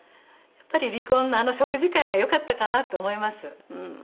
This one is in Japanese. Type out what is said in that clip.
やっぱり離婚あの食事会がよかったかなと思います。